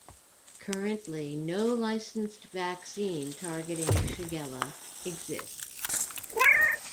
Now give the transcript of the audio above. Currently, no licensed vaccine targeting "Shigella" exists.